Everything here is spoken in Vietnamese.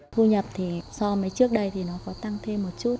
thu nhập thì so với trước đây thì nó có tăng thêm một chút